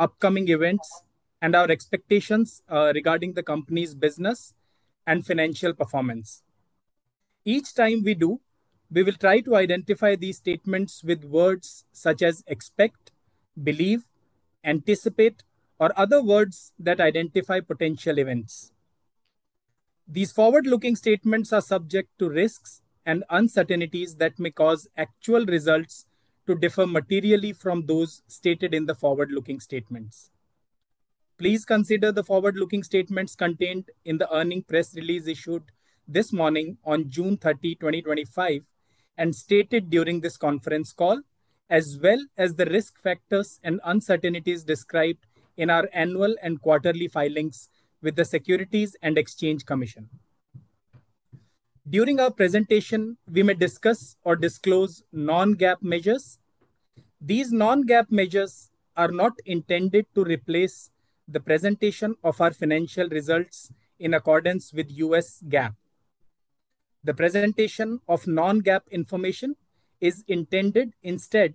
Upcoming events and our expectations regarding the company's business and financial performance. Each time we do, we will try to identify these statements with words such as expect, believe, anticipate, or other words that identify potential events. These forward-looking statements are subject to risks and uncertainties that may cause actual results to differ materially from those stated in the forward-looking statements. Please consider the forward-looking statements contained in the earnings press release issued this morning on June 30, 2025, and stated during this conference call, as well as the risk factors and uncertainties described in our annual and quarterly filings with the U.S. Securities and Exchange Commission. During our presentation, we may discuss or disclose non-GAAP measures. These non-GAAP measures are not intended to replace the presentation of our financial results in accordance with U.S. GAAP. The presentation of non-GAAP information is intended instead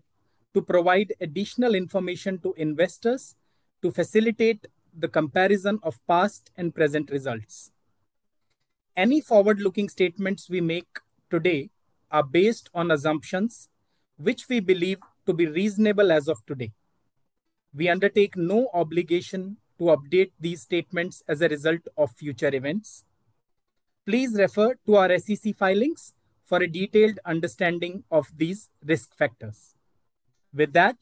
to provide additional information to investors to facilitate the comparison of past and present results. Any forward-looking statements we make today are based on assumptions which we believe to be reasonable as of today. We undertake no obligation to update these statements as a result of future events. Please refer to our SEC filings for a detailed understanding of these risk factors. With that,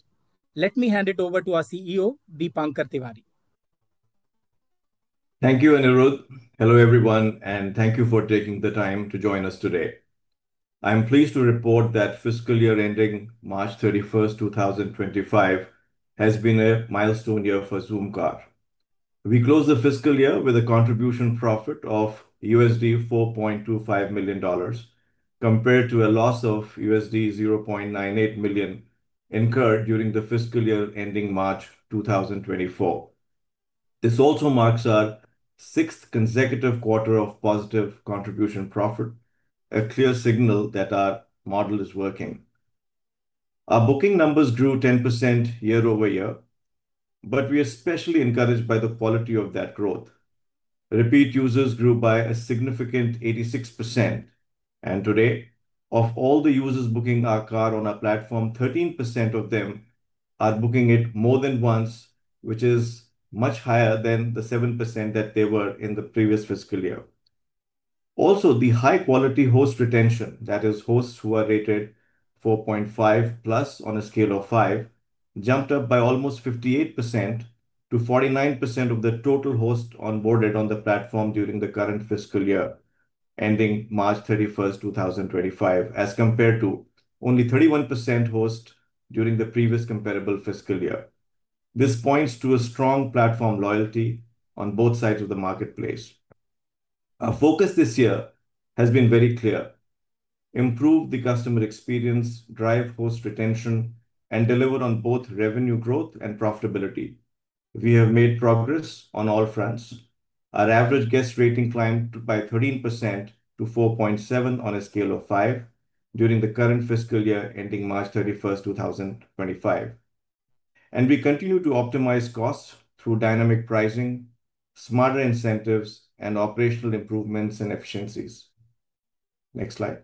let me hand it over to our CEO, Deepankar Tiwari. Thank you, Anirudh. Hello, everyone, and thank you for taking the time to join us today. I am pleased to report that fiscal year ending March 31, 2025, has been a milestone year for Zoomcar. We close the fiscal year with a contribution profit of $4.25 million compared to a loss of $0.98 million incurred during the fiscal year ending March 2024. This also marks our sixth consecutive quarter of positive contribution profit, a clear signal that our model is working. Our booking numbers grew 10% year over year, but we are especially encouraged by the quality of that growth. Repeat users grew by a significant 86%. Today, of all the users booking our car on our platform, 13% of them are booking it more than once, which is much higher than the 7% that they were in the previous fiscal year. Also, the high-quality host retention, that is, hosts who are rated 4.5 plus on a scale of 5, jumped up by almost 58% to 49% of the total hosts onboarded on the platform during the current fiscal year ending March 31, 2025, as compared to only 31% hosts during the previous comparable fiscal year. This points to a strong platform loyalty on both sides of the marketplace. Our focus this year has been very clear: improve the customer experience, drive host retention, and deliver on both revenue growth and profitability. We have made progress on all fronts. Our average guest rating climbed by 13% to 4.7 on a scale of 5 during the current fiscal year ending March 31, 2025. We continue to optimize costs through dynamic pricing, smarter incentives, and operational improvements and efficiencies. Next slide.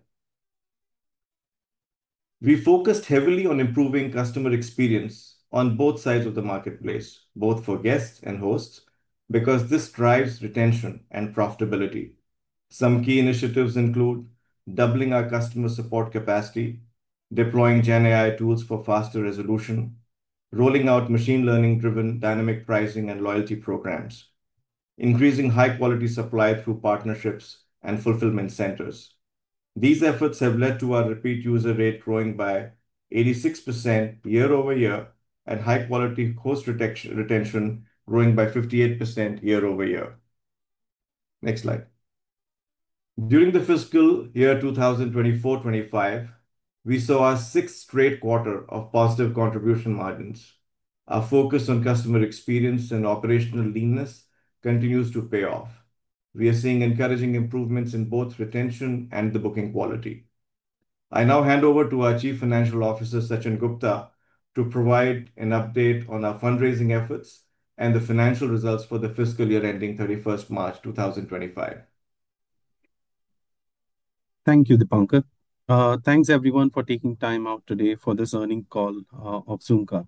We focused heavily on improving customer experience on both sides of the marketplace, both for guests and hosts, because this drives retention and profitability. Some key initiatives include doubling our customer support capacity, deploying GenAI tools for faster resolution, rolling out machine learning-driven dynamic pricing and loyalty programs, and increasing high-quality supply through partnerships and fulfillment centers. These efforts have led to our repeat user rate growing by 86% year over year and high-quality host retention growing by 58% year over year. Next slide. During the fiscal year 2024-2025, we saw a sixth straight quarter of positive contribution margins. Our focus on customer experience and operational leanness continues to pay off. We are seeing encouraging improvements in both retention and the booking quality. I now hand over to our Chief Financial Officer, Sachin Gupta, to provide an update on our fundraising efforts and the financial results for the fiscal year ending March 31, 2025. Thank you, Deepankar. Thanks, everyone, for taking time out today for this earning call of Zoomcar.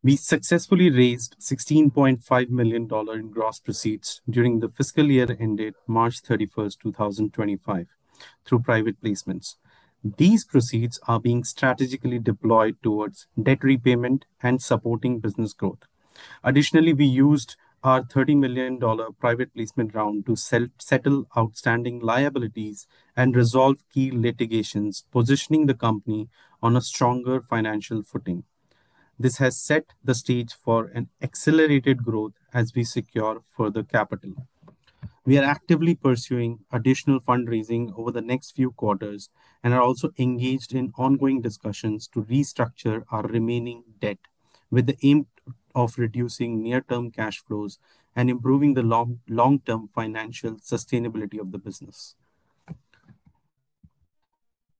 We successfully raised $16.5 million in gross proceeds during the fiscal year ending March 31, 2025, through private placements. These proceeds are being strategically deployed towards debt repayment and supporting business growth. Additionally, we used our $30 million private placement round to settle outstanding liabilities and resolve key litigations, positioning the company on a stronger financial footing. This has set the stage for an accelerated growth as we secure further capital. We are actively pursuing additional fundraising over the next few quarters and are also engaged in ongoing discussions to restructure our remaining debt with the aim of reducing near-term cash flows and improving the long-term financial sustainability of the business.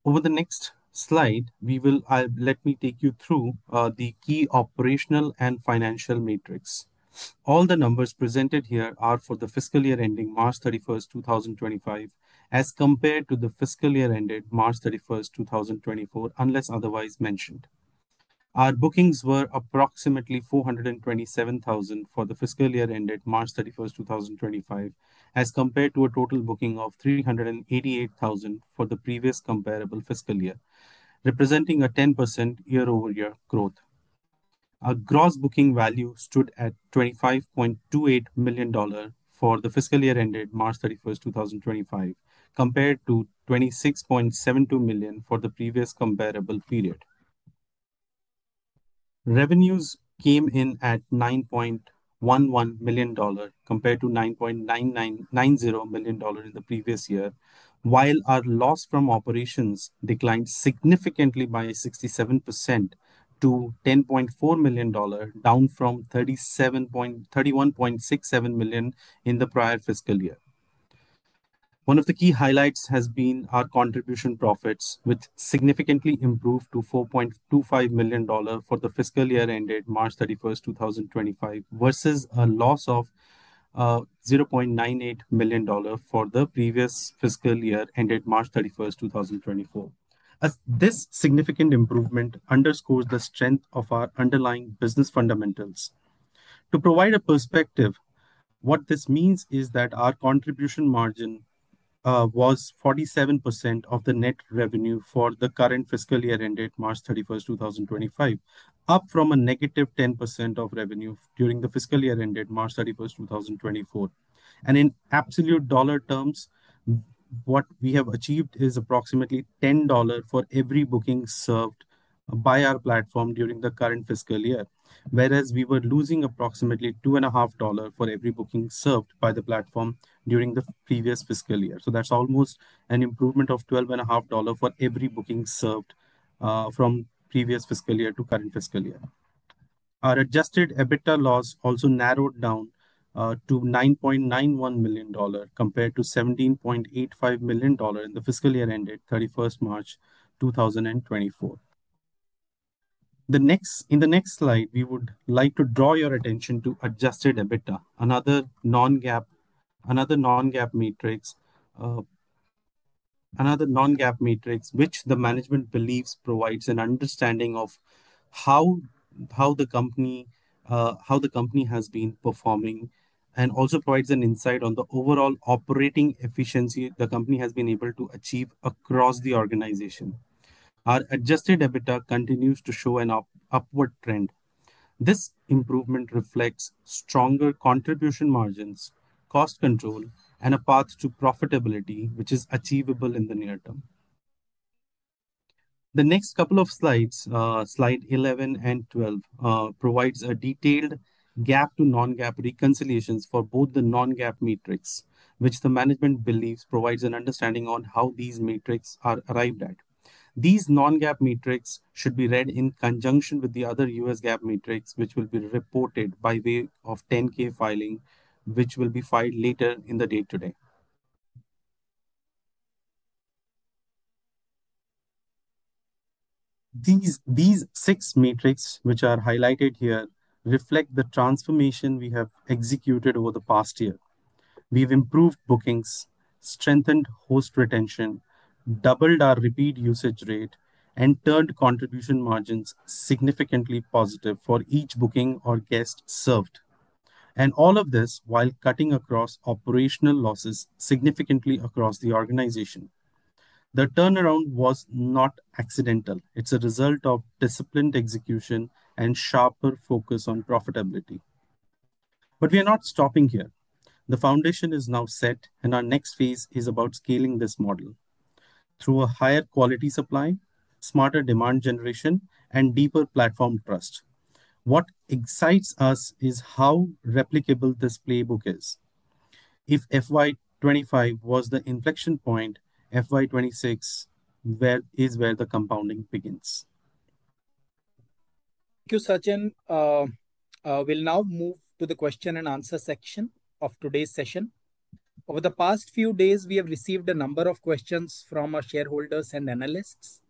Over the next slide, I'll let me take you through the key operational and financial matrix. All the numbers presented here are for the fiscal year ending March 31, 2025, as compared to the fiscal year ended March 31, 2024, unless otherwise mentioned. Our bookings were approximately $427,000 for the fiscal year ended March 31, 2025, as compared to a total booking of $388,000 for the previous comparable fiscal year, representing a 10% year-over-year growth. Our gross booking value stood at $25.28 million for the fiscal year ended March 31, 2025, compared to $26.72 million for the previous comparable period. Revenues came in at $9.11 million compared to $9.99 million in the previous year, while our loss from operations declined significantly by 67% to $10.4 million, down from $31.67 million in the prior fiscal year. One of the key highlights has been our contribution profits, which significantly improved to $4.25 million for the fiscal year ended March 31, 2025, versus a loss of $0.98 million for the previous fiscal year ended March 31, 2024. This significant improvement underscores the strength of our underlying business fundamentals. To provide a perspective, what this means is that our contribution margin was 47% of the net revenue for the current fiscal year ended March 31, 2025, up from a negative 10% of revenue during the fiscal year ended March 31, 2024. In absolute dollar terms, what we have achieved is approximately $10 for every booking served by our platform during the current fiscal year, whereas we were losing approximately $2.50 for every booking served by the platform during the previous fiscal year. That's almost an improvement of $12.50 for every booking served from previous fiscal year to current fiscal year. Our adjusted EBITDA loss also narrowed down to $9.91 million compared to $17.85 million in the fiscal year ended March 31, 2024. In the next slide, we would like to draw your attention to adjusted EBITDA, another non-GAAP metric, which the management believes provides an understanding of how the company has been performing and also provides an insight on the overall operating efficiency the company has been able to achieve across the organization. Our adjusted EBITDA continues to show an upward trend. This improvement reflects stronger contribution margins, cost control, and a path to profitability, which is achievable in the near term. The next couple of slides, slide 11 and 12, provide a detailed GAAP to non-GAAP reconciliations for both the non-GAAP matrix, which the management believes provides an understanding on how these matrix are arrived at. These non-GAAP matrix should be read in conjunction with the other U.S. GAAP matrix, which will be reported by way of 10-K filing, which will be filed later in the day today. These six matrix, which are highlighted here, reflect the transformation we have executed over the past year. We've improved bookings, strengthened host retention, doubled our repeat usage rate, and turned contribution margins significantly positive for each booking or guest served. All of this while cutting across operational losses significantly across the organization. The turnaround was not accidental. It's a result of disciplined execution and sharper focus on profitability. We are not stopping here. The foundation is now set, and our next phase is about scaling this model through a higher quality supply, smarter demand generation, and deeper platform trust. What excites us is how replicable this playbook is. If FY 2025 was the inflection point, FY 2026 is where the compounding begins. Thank you, Sachin. We'll now move to the question and answer section of today's session. Over the past few days, we have received a number of questions from our shareholders and analysts.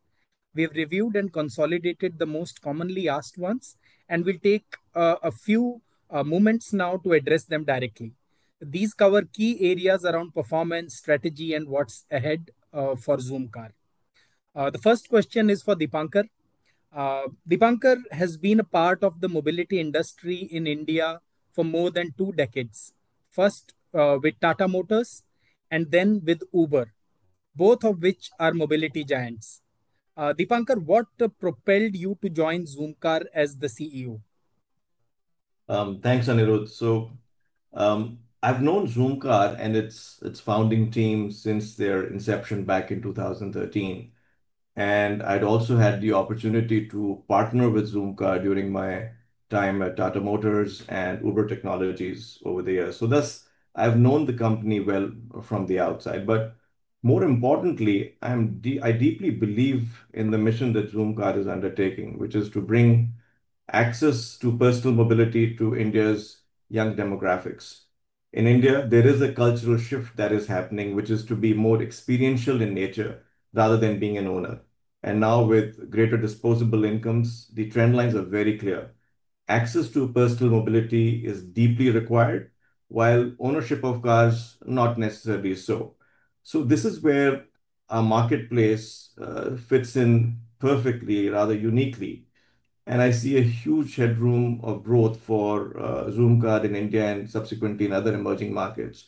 We have reviewed and consolidated the most commonly asked ones, and we'll take a few moments now to address them directly. These cover key areas around performance, strategy, and what's ahead for Zoomcar. The first question is for Deepankar. Deepankar has been a part of the mobility industry in India for more than two decades, first with Tata Motors and then with Uber, both of which are mobility giants. Deepankar, what propelled you to join Zoomcar as the CEO? Thanks, Anirudh. So I've known Zoomcar and its founding team since their inception back in 2013. And I'd also had the opportunity to partner with Zoomcar during my time at Tata Motors and Uber Technologies over the years. So thus, I've known the company well from the outside. But more importantly, I deeply believe in the mission that Zoomcar is undertaking, which is to bring access to personal mobility to India's young demographics. In India, there is a cultural shift that is happening, which is to be more experiential in nature rather than being an owner. And now, with greater disposable incomes, the trend lines are very clear. Access to personal mobility is deeply required, while ownership of cars is not necessarily so. So this is where our marketplace fits in perfectly, rather uniquely. I see a huge headroom of growth for Zoomcar in India and subsequently in other emerging markets.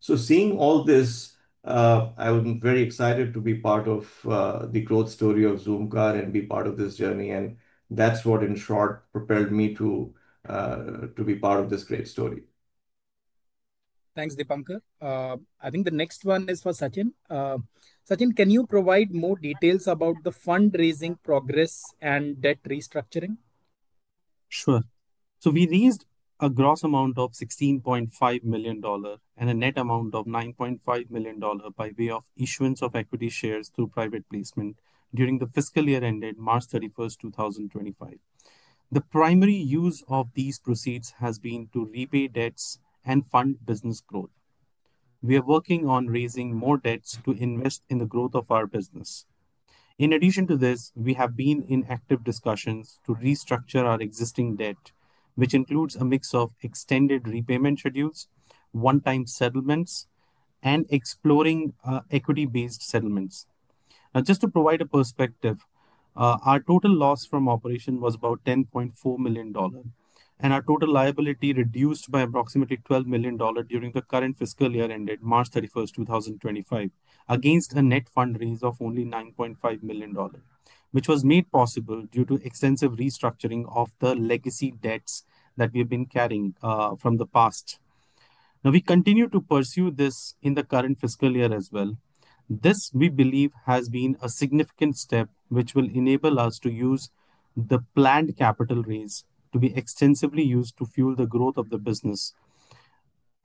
Seeing all this, I'm very excited to be part of the growth story of Zoomcar and be part of this journey. That's what, in short, propelled me to be part of this great story. Thanks, Deepankar. I think the next one is for Sachin. Sachin, can you provide more details about the fundraising progress and debt restructuring? Sure. We raised a gross amount of $16.5 million and a net amount of $9.5 million by way of issuance of equity shares through private placement during the fiscal year ended March 31, 2025. The primary use of these proceeds has been to repay debts and fund business growth. We are working on raising more debts to invest in the growth of our business. In addition to this, we have been in active discussions to restructure our existing debt, which includes a mix of extended repayment schedules, one-time settlements, and exploring equity-based settlements. Now, just to provide a perspective, our total loss from operation was about $10.4 million, and our total liability reduced by approximately $12 million during the current fiscal year ended March 31, 2025, against a net fundraise of only $9.5 million, which was made possible due to extensive restructuring of the legacy debts that we have been carrying from the past. Now, we continue to pursue this in the current fiscal year as well. This, we believe, has been a significant step, which will enable us to use the planned capital raise to be extensively used to fuel the growth of the business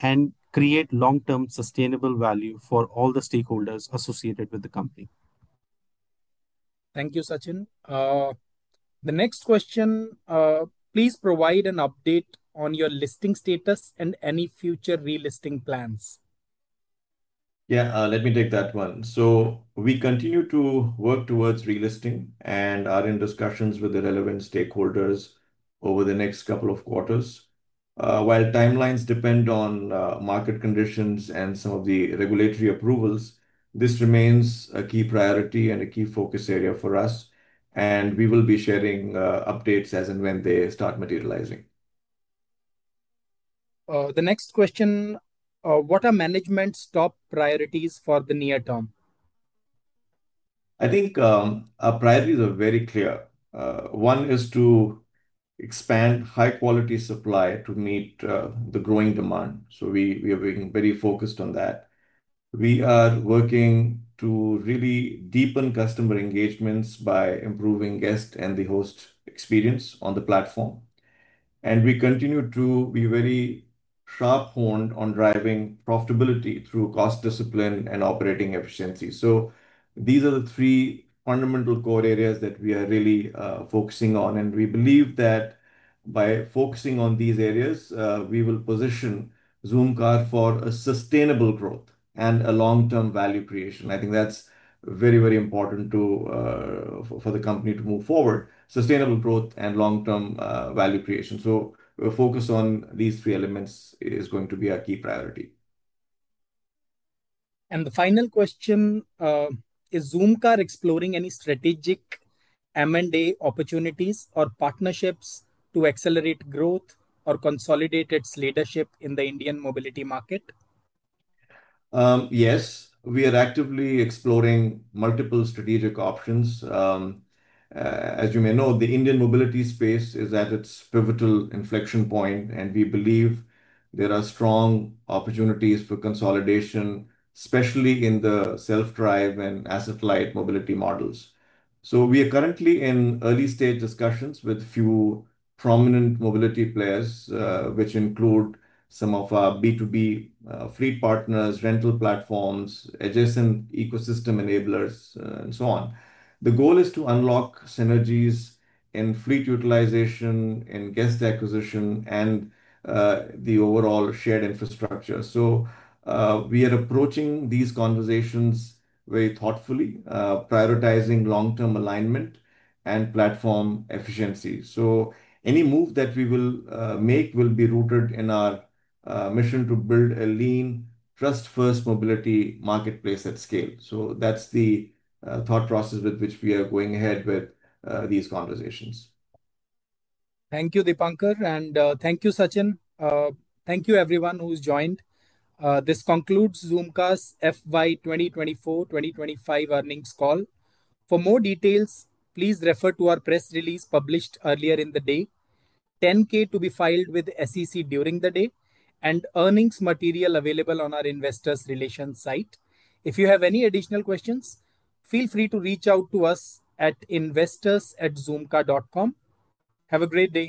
and create long-term sustainable value for all the stakeholders associated with the company. Thank you, Sachin. The next question, please provide an update on your listing status and any future relisting plans. Yeah, let me take that one. We continue to work towards relisting and are in discussions with the relevant stakeholders over the next couple of quarters. While timelines depend on market conditions and some of the regulatory approvals, this remains a key priority and a key focus area for us. We will be sharing updates as and when they start materializing. The next question, what are management's top priorities for the near term? I think our priorities are very clear. One is to expand high-quality supply to meet the growing demand. We are being very focused on that. We are working to really deepen customer engagements by improving guest and the host experience on the platform. We continue to be very sharp-horned on driving profitability through cost discipline and operating efficiency. These are the three fundamental core areas that we are really focusing on. We believe that by focusing on these areas, we will position Zoomcar for sustainable growth and long-term value creation. I think that's very, very important for the company to move forward: sustainable growth and long-term value creation. Focus on these three elements is going to be our key priority. Is Zoomcar exploring any strategic M&A opportunities or partnerships to accelerate growth or consolidate its leadership in the Indian mobility market? Yes, we are actively exploring multiple strategic options. As you may know, the Indian mobility space is at its pivotal inflection point, and we believe there are strong opportunities for consolidation, especially in the self-drive and asset-light mobility models. We are currently in early-stage discussions with a few prominent mobility players, which include some of our B2B fleet partners, rental platforms, adjacent ecosystem enablers, and so on. The goal is to unlock synergies in fleet utilization, in guest acquisition, and the overall shared infrastructure. We are approaching these conversations very thoughtfully, prioritizing long-term alignment and platform efficiency. Any move that we will make will be rooted in our mission to build a lean, trust-first mobility marketplace at scale. That is the thought process with which we are going ahead with these conversations. Thank you, Deepankar, and thank you, Sachin. Thank you, everyone who's joined. This concludes Zoomcar's FY 2024-2025 earnings call. For more details, please refer to our press release published earlier in the day, 10-K to be filed with the U.S. SEC during the day, and earnings material available on our Investor Relations site. If you have any additional questions, feel free to reach out to us at investors@zoomcar.com. Have a great day.